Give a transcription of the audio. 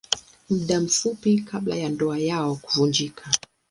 Muda mfupi kabla ya ndoa yao kuvunjika.